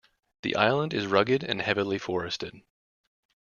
The island is rugged and heavily forested.